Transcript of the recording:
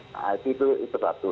nah itu itu satu